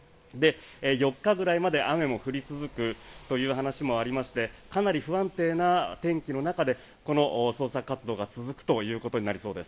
４日ぐらいまで雨も降り続くという話もありましてかなり不安定な天気の中で捜索活動が続くことになりそうです。